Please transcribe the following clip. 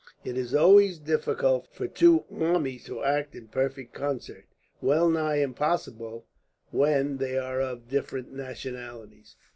It is always difficult for two armies to act in perfect concert, well nigh impossible when they are of different nationalities.